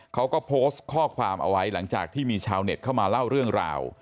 เขาก็โพสต์ข้อความเอาไว้หลังจากที่มีชาวเน็ตเข้ามาเล่าเรื่องราว